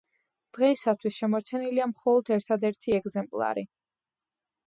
დღეისათვის შემორჩენილია მხოლოდ ერთადერთი ეგზემპლარი.